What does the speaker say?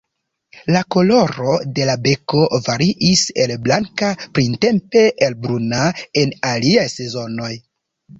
La koloro de la beko variis el blanka printempe al bruna en aliaj sezonoj.